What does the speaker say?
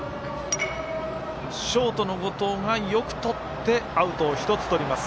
ショートの後藤がよくとってアウトを１つとります。